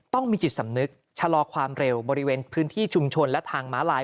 ต้องมีจิตสำนึกชะลอความเร็วบริเวณพื้นที่ชุมชนและทางม้าลาย